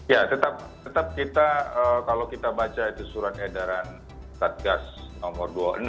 ya tetap kita kalau kita baca itu surat edaran satgas nomor dua puluh enam